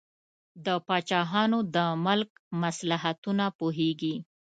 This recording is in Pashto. د پاچاهانو د ملک مصلحتونه پوهیږي.